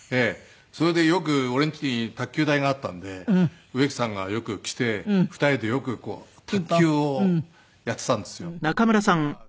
それでよく俺ん家に卓球台があったんで植木さんがよく来て２人でよく卓球をやっていたんですよ。